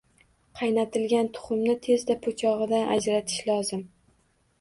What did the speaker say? Qaynatilgan tuxumni tezda po'chog'idan ajratish lozim.